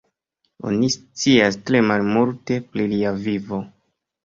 Oni scias tre malmulte pri lia vivo.